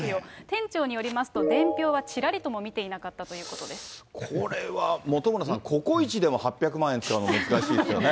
店長によりますと、伝票はちらりとも見ていなかったということでこれは本村さん、ココイチでも８００万円使うの難しいですよね。